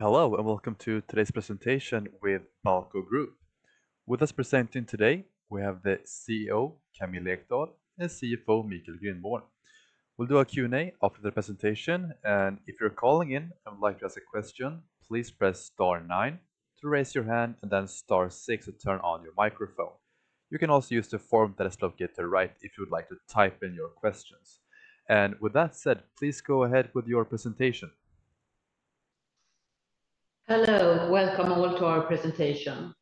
Hello, and welcome to today's presentation with Balco Group. With us presenting today, we have the CEO, Camilla Ekdahl, and CFO, Michael Grindborn. We'll do a Q&A after the presentation, and if you're calling in and would like to ask a question, please press star nine to raise your hand, and then star six to turn on your microphone. You can also use the form that has got the right if you would like to type in your questions. And with that said, please go ahead with your presentation. Hello, welcome all to our presentation.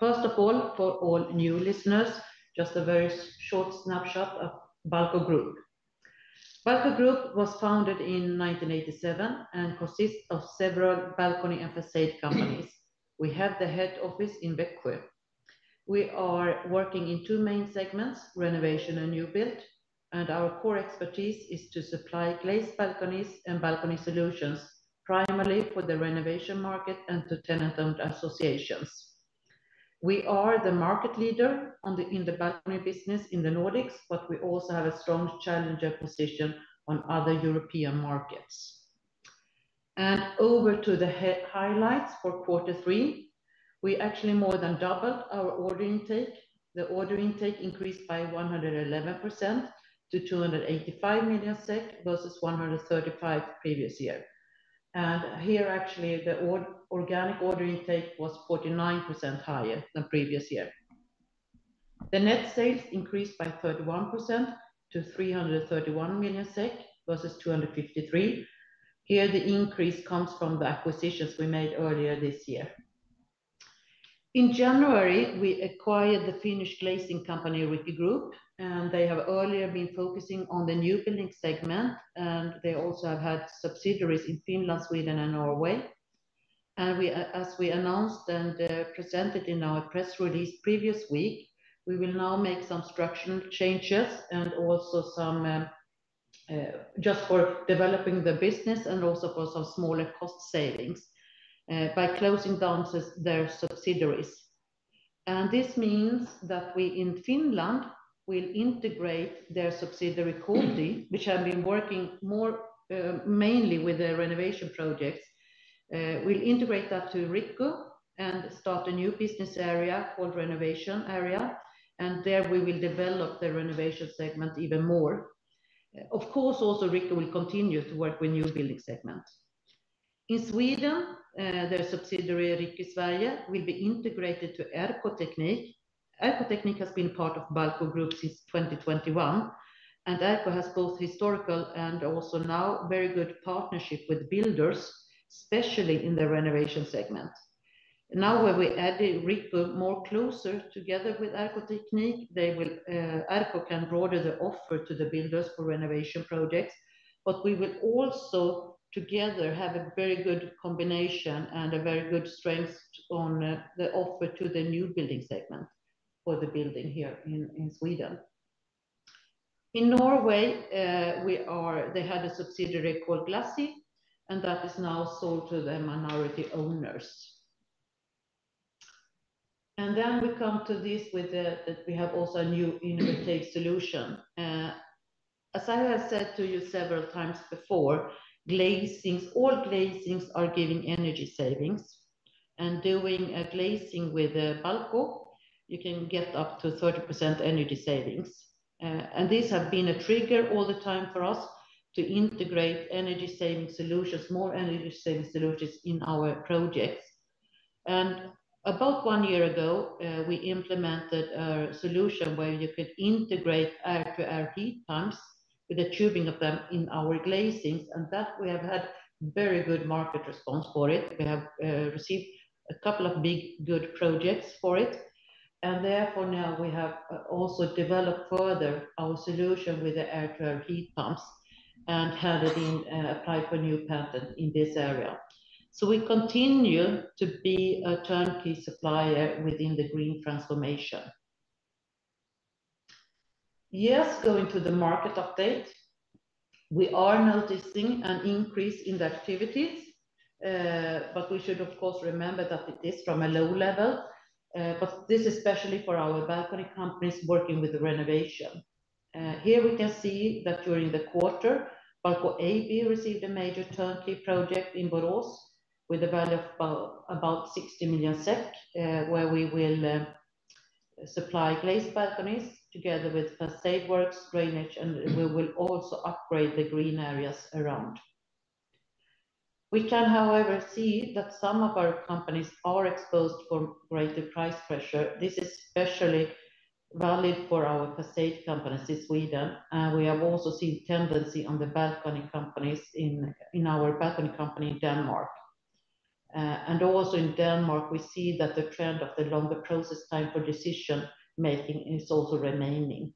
First of all, for all new listeners, just a very short snapshot of Balco Group. Balco Group was founded in 1987 and consists of several balcony and facade companies. We have the head office in Växjö. We are working in two main segments, renovation and new build, and our core expertise is to supply glazed balconies and balcony solutions, primarily for the renovation market and to tenant-owned associations. We are the market leader in the balcony business in the Nordics, but we also have a strong challenger position on other European markets. And over to the highlights for quarter three, we actually more than doubled our order intake. The order intake increased by 111% to 285 million SEK, versus 135 million previous year. Here, actually, the organic order intake was 49% higher than previous year. The net sales increased by 31% to 331 million SEK, versus 253 million. Here, the increase comes from the acquisitions we made earlier this year. In January, we acquired the Finnish glazing company, Riikku Group, and they have earlier been focusing on the new building segment, and they also have had subsidiaries in Finland, Sweden, and Norway. As we announced and presented in our press release previous week, we will now make some structural changes and also some, just for developing the business, and also for some smaller cost savings by closing down their subsidiaries. This means that we, in Finland, will integrate their subsidiary company, which have been working more mainly with the renovation projects. We'll integrate that to Riikku and start a new business area called renovation area, and there we will develop the renovation segment even more. Of course, also, Riikku will continue to work with new building segment. In Sweden, their subsidiary, Riikku Sverige, will be integrated to RK Teknik. RK Teknik has been part of Balco Group since 2021, and RK has both historical and also now very good partnership with builders, especially in the renovation segment. Now, when we add the Riikku more closer together with RK Teknik, they will, RK can broaden the offer to the builders for renovation projects, but we will also together have a very good combination and a very good strength on, the offer to the new building segment for the building here in Sweden. In Norway, they had a subsidiary called Glassy, and that is now sold to the minority owners. Then we come to this, that we have also a new intake solution. As I have said to you several times before, glazings, all glazings are giving energy savings, and doing a glazing with a Balco, you can get up to 30% energy savings. These have been a trigger all the time for us to integrate energy-saving solutions, more energy-saving solutions in our projects. About one year ago, we implemented a solution where you could integrate air-to-air heat pumps with the tubing of them in our glazings, and that we have had very good market response for it. We have received a couple of big, good projects for it, and therefore, now we have also developed further our solution with the air-to-air heat pumps and have it in applied for new patent in this area. So we continue to be a turnkey supplier within the green transformation. Yes, going to the market update, we are noticing an increase in the activities, but we should of course remember that it is from a low level, but this is especially for our balcony companies working with the renovation. Here we can see that during the quarter, Balco AB received a major turnkey project in Borås with a value of about 60 million SEK, where we will supply glazed balconies together with facade works, drainage, and we will also upgrade the green areas around. We can, however, see that some of our companies are exposed for greater price pressure. This is especially valid for our facade companies in Sweden, and we have also seen tendency on the balcony companies in our balcony company in Denmark. And also in Denmark, we see that the trend of the longer process time for decision-making is also remaining.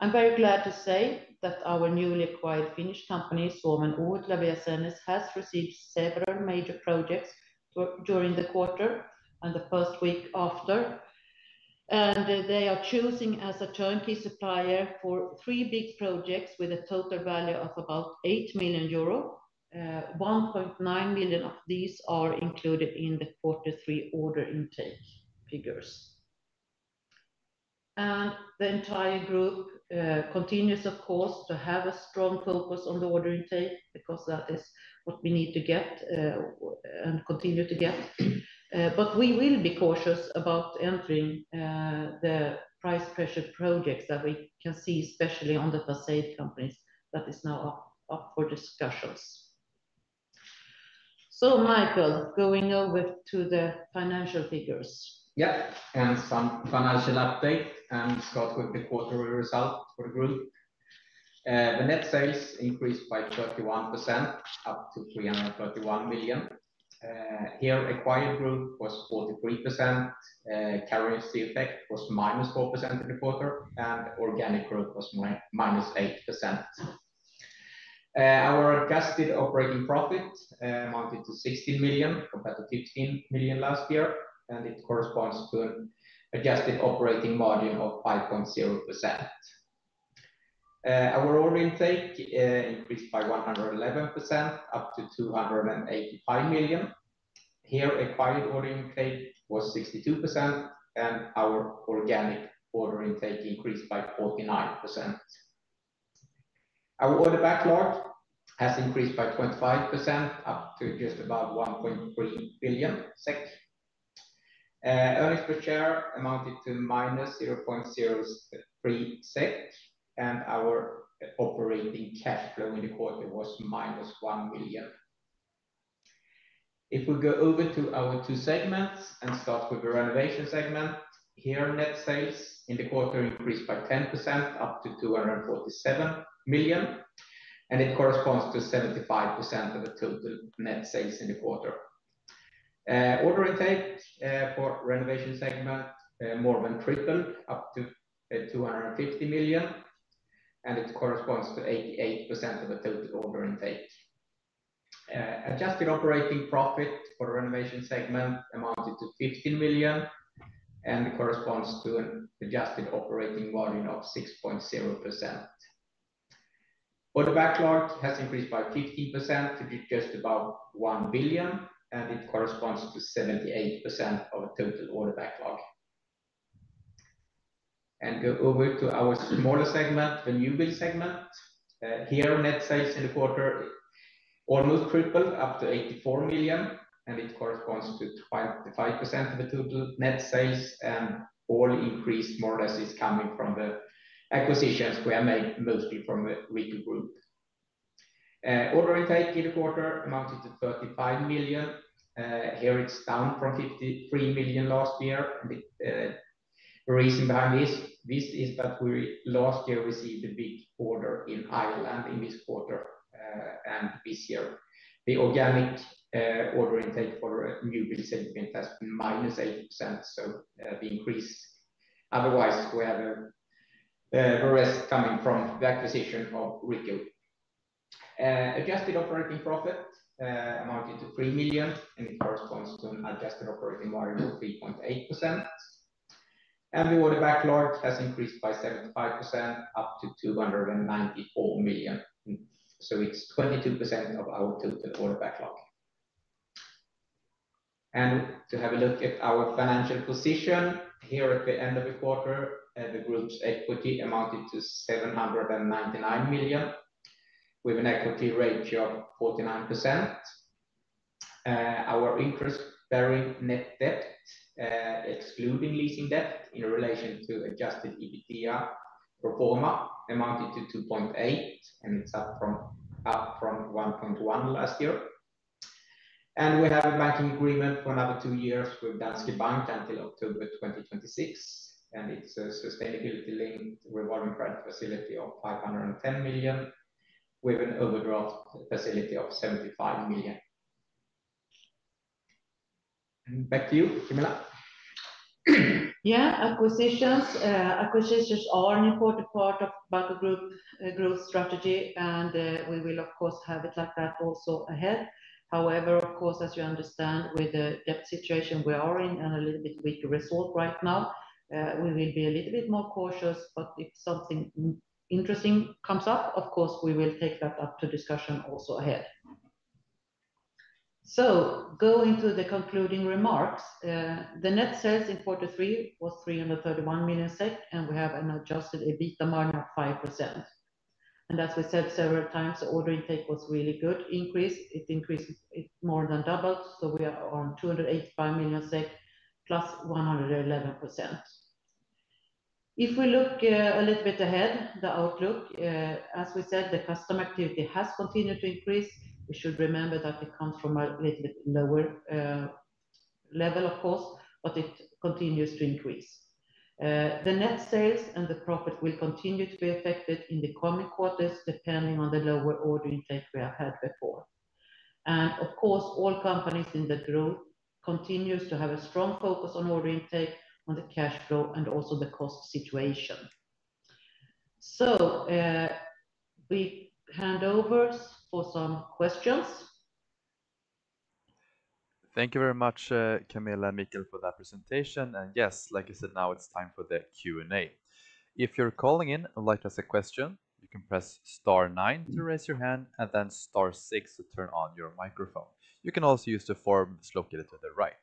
I'm very glad to say that our newly acquired Finnish company, Suomen Ohutlevyasennus Oy, has received several major projects during the quarter and the first week after. They are choosing as a turnkey supplier for three big projects with a total value of about 8 million euro. 1.9 million of these are included in the quarter three order intake figures. The entire group continues, of course, to have a strong focus on the order intake, because that is what we need to get and continue to get. We will be cautious about entering the price pressure projects that we can see, especially on the facade companies, that is now up for discussions. Michael, going over to the financial figures. Yeah, and some financial update, and start with the quarterly results for the group. The net sales increased by 31%, up to 331 million. Here acquired growth was 43%, currency effect was -4% in the quarter, and organic growth was -8%. Our adjusted operating profit amounted to 16 million, compared to 15 million last year, and it corresponds to an adjusted operating margin of 5.0%. Our order intake increased by 111%, up to 285 million. Here, acquired order intake was 62%, and our organic order intake increased by 49%. Our order backlog has increased by 25%, up to just about 1.3 billion SEK. Earnings per share amounted to -0.03 SEK, and our operating cash flow in the quarter was -1 million. If we go over to our two segments and start with the renovation segment, net sales in the quarter increased by 10%, up to 247 million, and it corresponds to 75% of the total net sales in the quarter. Order intake for renovation segment more than tripled, up to 250 million, and it corresponds to 88% of the total order intake. Adjusted operating profit for the renovation segment amounted to 15 million, and it corresponds to an adjusted operating margin of 6.0%. Order backlog has increased by 15% to just about 1 billion, and it corresponds to 78% of the total order backlog. Go over to our smaller segment, the new build segment. Here, net sales in the quarter almost tripled, up to 84 million, and it corresponds to 25% of the total net sales, and all increase, more or less, is coming from the acquisitions we have made, mostly from the Riikku Group. Order intake in the quarter amounted to 35 million. Here, it is down from 53 million last year. The reason behind this is that we last year received a big order in Ireland in this quarter, and this year, the organic order intake for new build segment has been -8%, so the increase. Otherwise, we have the rest coming from the acquisition of Riikku. Adjusted operating profit amounted to 3 million, and it corresponds to an adjusted operating margin of 3.8%. The order backlog has increased by 75%, up to 294 million. It is 22% of our total order backlog. To have a look at our financial position, here at the end of the quarter, the group's equity amounted to 799 million, with an equity ratio of 49%. Our interest-bearing net debt, excluding leasing debt in relation to adjusted EBITDA pro forma, amounted to 2.8, and it is up from 1.1 last year. We have a banking agreement for another two years with Danske Bank until October 2026, and it's a sustainability-linked revolving credit facility of 510 million, with an overdraft facility of 75 million. Back to you, Camilla. Yeah, acquisitions. Acquisitions are an important part of Balco Group growth strategy, and we will of course have it like that also ahead. However, of course, as you understand, with the debt situation we are in and a little bit weak result right now, we will be a little bit more cautious, but if something interesting comes up, of course, we will take that up to discussion also ahead. Going to the concluding remarks, the net sales in quarter three was 331 million SEK, and we have an adjusted EBITDA margin of 5%. As we said several times, the order intake was really good increase. It increased, it more than doubled, so we are on 285 million SEK, plus 111%. If we look a little bit ahead, the outlook, as we said, the customer activity has continued to increase. We should remember that it comes from a little bit lower level, of course, but it continues to increase. The net sales and the profit will continue to be affected in the coming quarters, depending on the lower order intake we have had before. And of course, all companies in the group continues to have a strong focus on order intake, on the cash flow, and also the cost situation. So, we hand over for some questions. Thank you very much, Camilla and Michael for that presentation. And yes, like I said, now it's time for the Q&A. If you're calling in and would like to ask a question, you can press star nine to raise your hand, and then star six to turn on your microphone. You can also use the form located to the right.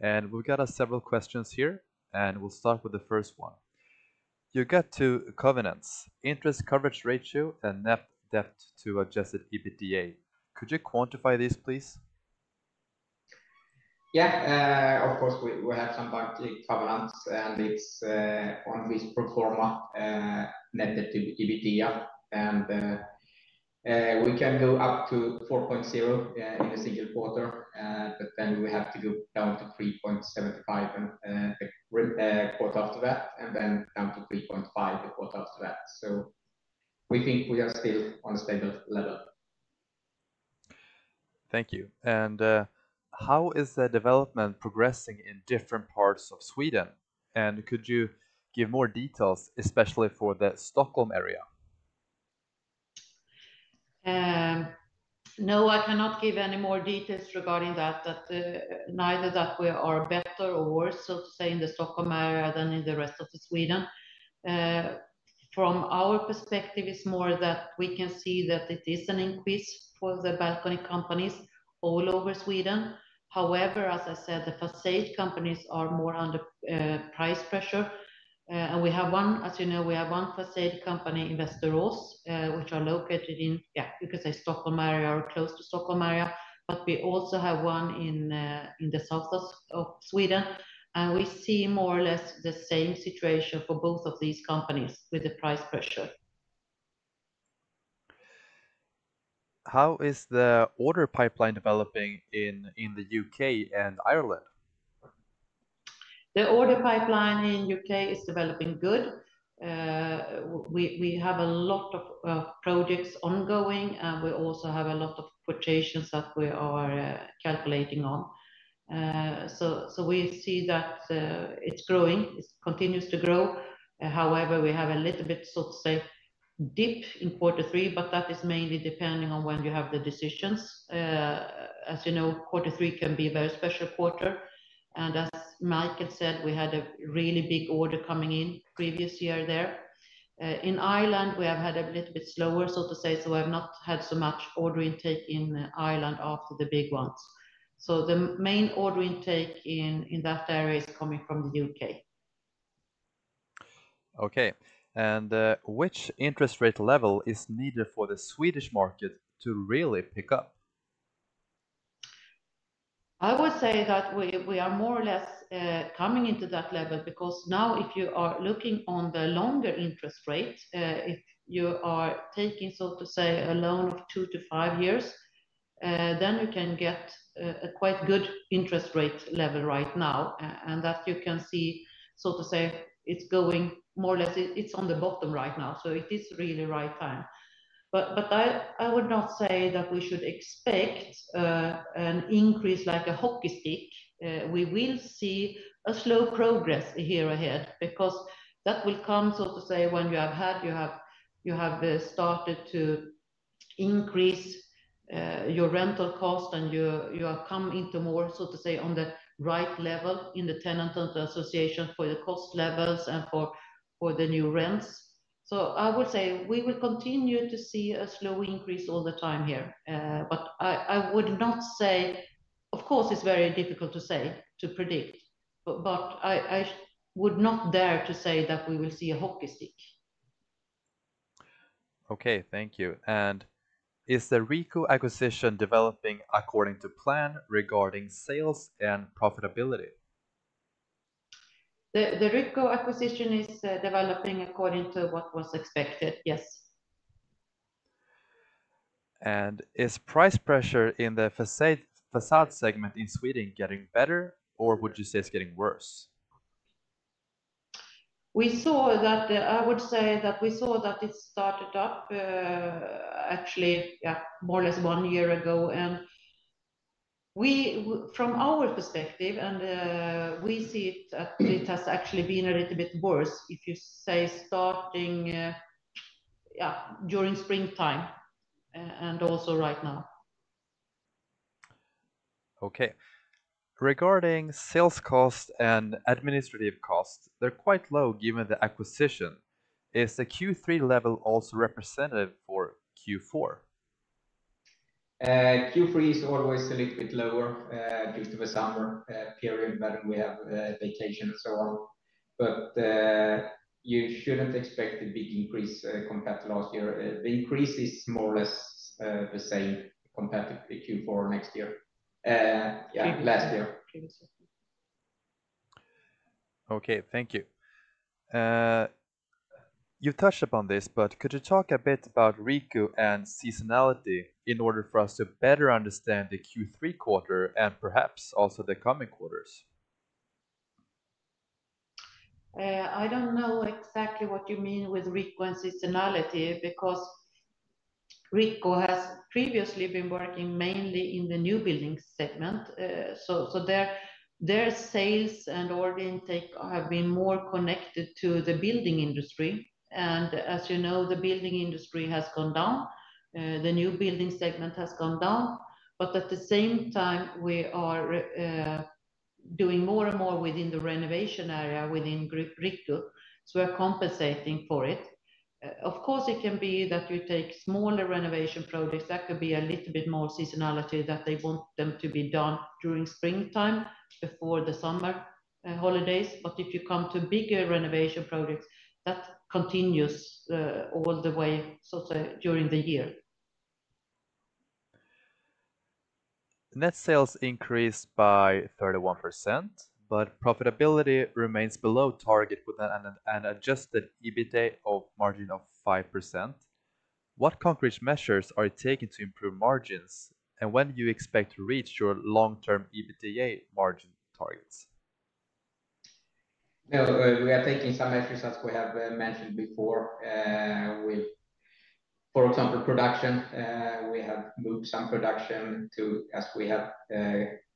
And we've got several questions here, and we'll start with the first one. Regarding covenants, interest coverage ratio, and net debt to adjusted EBITDA. Could you quantify this, please? Yeah, of course, we have some bank covenants, and it's on this pro forma net debt to EBITDA, and we can go up to 4.0 in a single quarter, but then we have to go down to 3.75 in the quarter after that, and then down to 3.5 the quarter after that, so we think we are still on a stable level. Thank you. And, how is the development progressing in different parts of Sweden? And could you give more details, especially for the Stockholm area? No, I cannot give any more details regarding that, neither that we are better or worse, so to say, in the Stockholm area than in the rest of the Sweden. From our perspective, it's more that we can see that it is an increase for the balcony companies all over Sweden. However, as I said, the facade companies are more under price pressure. And we have one, as you know, we have one facade company, Västerås, which are located in, yeah, you could say Stockholm area or close to Stockholm area. But we also have one in the Southwest of Sweden, and we see more or less the same situation for both of these companies with the price pressure. How is the order pipeline developing in the U.K. and Ireland? The order pipeline in U.K. is developing good. We have a lot of projects ongoing, and we also have a lot of quotations that we are calculating on. So we see that it's growing, it continues to grow. However, we have a little bit, so to say, dip in quarter three, but that is mainly depending on when you have the decisions. As you know, quarter three can be a very special quarter. And as Michael said, we had a really big order coming in previous year there. In Ireland, we have had a little bit slower, so to say, so we have not had so much order intake in Ireland after the big ones. So the main order intake in that area is coming from the U.K. Okay. And, which interest rate level is needed for the Swedish market to really pick up? I would say that we are more or less coming into that level, because now if you are looking on the longer interest rate, if you are taking, so to say, a loan of two to five years, then you can get a quite good interest rate level right now. And that you can see, so to say, it's going more or less, it's on the bottom right now, so it is really right time. But I would not say that we should expect an increase like a hockey stick. We will see a slow progress here ahead, because that will come, so to say, when you have had... You have started to increase your rental cost, and you have come into more, so to say, on the right level in the tenant-owned associations for the cost levels and for the new rents. So I would say we will continue to see a slow increase all the time here. But I would not say. Of course, it's very difficult to say, to predict, but I would not dare to say that we will see a hockey stick. Okay, thank you. And is the Riikku acquisition developing according to plan regarding sales and profitability? The Riikku acquisition is developing according to what was expected, yes. Is price pressure in the facade segment in Sweden getting better, or would you say it's getting worse? We saw that. I would say that we saw that it started up, actually, yeah, more or less one year ago. We, from our perspective, and we see it. It has actually been a little bit worse, if you say, starting, yeah, during springtime, and also right now. Okay. Regarding sales cost and administrative costs, they're quite low given the acquisition. Is the Q3 level also representative for Q4? Q3 is always a little bit lower, due to the summer period, when we have vacation and so on. But you shouldn't expect a big increase, compared to last year. The increase is more or less the same compared to Q4 next year. Yeah, last year. Previous year. Okay, thank you. You touched upon this, but could you talk a bit about Riikku and seasonality in order for us to better understand the Q3 quarter and perhaps also the coming quarters? I don't know exactly what you mean with Riikku and seasonality, because Riikku has previously been working mainly in the new building segment. So their sales and order intake have been more connected to the building industry. And as you know, the building industry has gone down, the new building segment has gone down. But at the same time, we are doing more and more within the renovation area within Group Riikku, so we're compensating for it. Of course, it can be that you take smaller renovation projects, that could be a little bit more seasonality that they want them to be done during springtime before the summer holidays. But if you come to bigger renovation projects, that continues all the way, so to say, during the year. Net sales increased by 31%, but profitability remains below target with an adjusted EBITDA margin of 5%. What concrete measures are you taking to improve margins, and when do you expect to reach your long-term EBITDA margin targets? We are taking some measures, as we have mentioned before, with, for example, production. We have moved some production to as we have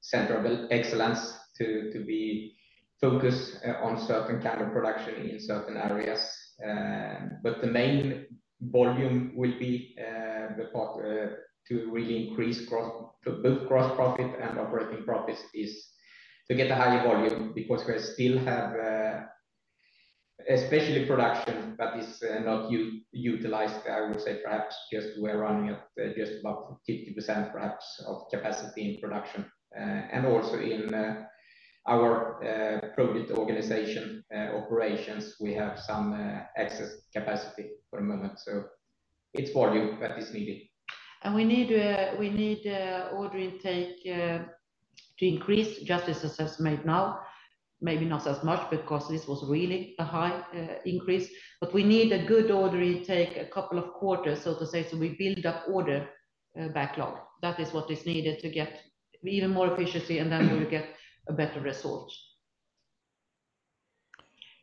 center of excellence to, to be focused on certain kind of production in certain areas. But the main volume will be the part to build gross profit and operating profits is to get a higher volume because we still have, especially production that is not utilized. I would say perhaps just we're running at just about 50% perhaps of capacity in production, and also in our project organization operations, we have some excess capacity for a moment. It's volume that is needed. We need order intake to increase just as is made now, maybe not as much because this was really a high increase, but we need a good order intake a couple of quarters, so to say, so we build up order backlog. That is what is needed to get even more efficiency, and then we will get a better result.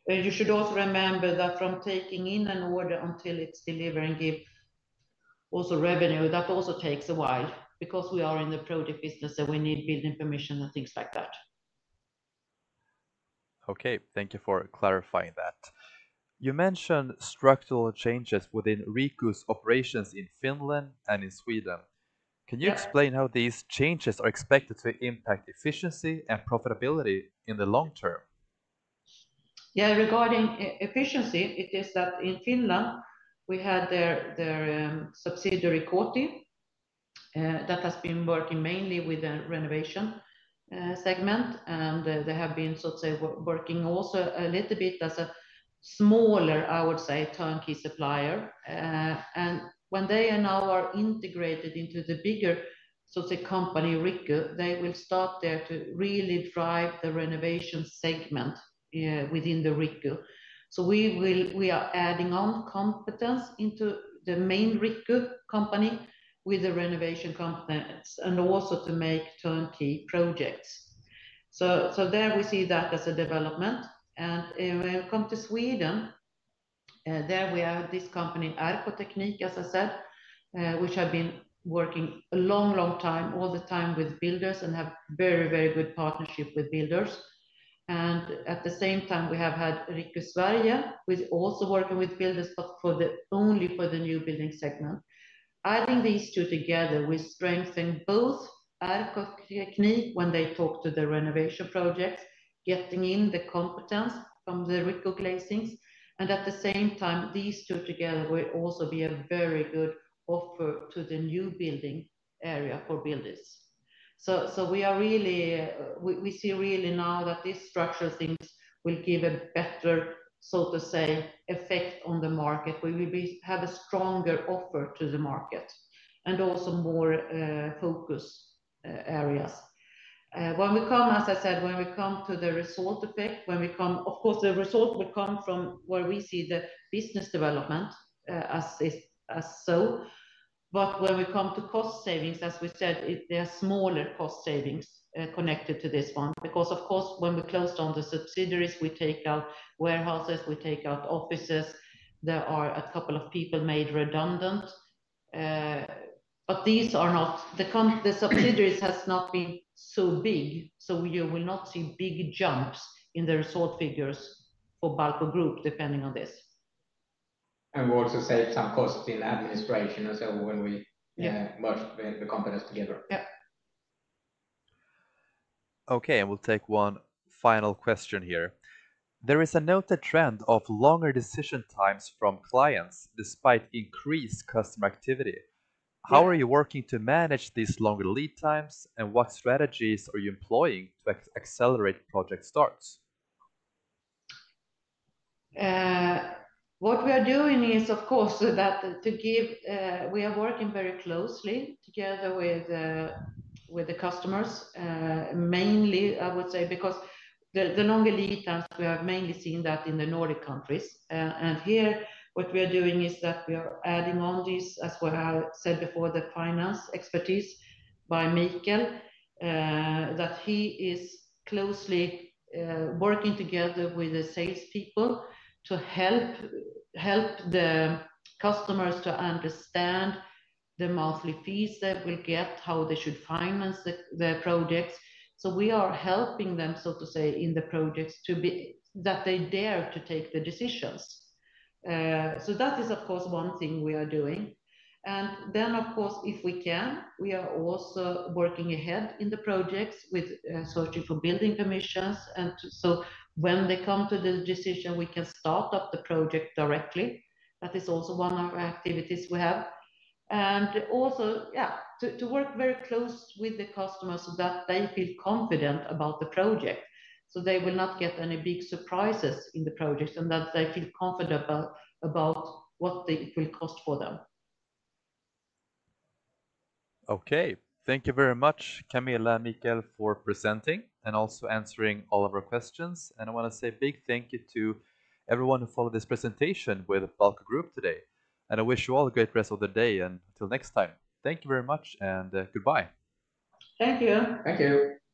But you should also remember that from taking in an order until it is delivered and give also revenue, that also takes a while because we are in the project business, and we need building permission and things like that. Okay. Thank you for clarifying that. You mentioned structural changes within Riikku's operations in Finland and in Sweden. Yeah. Can you explain how these changes are expected to impact efficiency and profitability in the long-term? Yeah. Regarding efficiency, it is that in Finland, we had their subsidiary, Koti, that has been working mainly with the renovation segment, and they have been, so to say, working also a little bit as a smaller, I would say, turnkey supplier. And when they are now integrated into the bigger, so to say, company, Riikku, they will start there to really drive the renovation segment within the Riikku. So we are adding on competence into the main Riikku company with the renovation competence and also to make turnkey projects. So there we see that as a development, and when we come to Sweden, there we have this company, RK Teknik, as I said, which have been working a long, long time, all the time with builders and have very, very good partnership with builders. At the same time, we have had Riikku Sverige, who is also working with builders, but only for the new building segment. Adding these two together, we strengthen both RK Teknik when they talk to the renovation projects, getting in the competence from the Riikku glazings. At the same time, these two together will also be a very good offer to the new building area for builders. We are really, we see really now that these structure things will give a better, so to say, effect on the market. We will have a stronger offer to the market and also more focus areas. When we come, as I said, when we come to the result effect, of course, the result will come from where we see the business development, as is, as so. But when we come to cost savings, as we said, there are smaller cost savings connected to this one. Because, of course, when we closed down the subsidiaries, we take out warehouses, we take out offices. There are a couple of people made redundant. But these are not the subsidiaries has not been so big, so you will not see big jumps in the result figures for Balco Group, depending on this. And we also save some cost in administration as well when we- Yeah... merged the companies together. Yeah. Okay, and we'll take one final question here. There is a noted trend of longer decision times from clients despite increased customer activity. Yeah. How are you working to manage these longer lead times, and what strategies are you employing to accelerate project starts? What we are doing is, of course, that to give, we are working very closely together with the customers. Mainly, I would say, because the longer lead times, we have mainly seen that in the Nordic countries. Here, what we are doing is that we are adding on this, as what I said before, the finance expertise by Michael that he is closely working together with the salespeople to help the customers to understand the monthly fees that will get, how they should finance the projects. So we are helping them, so to say, in the projects, to be that they dare to take the decisions. So that is, of course, one thing we are doing. Then, of course, if we can, we are also working ahead in the projects with searching for building permissions. And so when they come to the decision, we can start up the project directly. That is also one of our activities we have. And also, yeah, to work very close with the customers so that they feel confident about the project, so they will not get any big surprises in the projects, and that they feel confident about what it will cost for them. Okay. Thank you very much, Camilla and Michael, for presenting and also answering all of our questions. And I want to say a big thank you to everyone who followed this presentation with Balco Group today. And I wish you all a great rest of the day, and till next time. Thank you very much, and goodbye. Thank you. Thank you!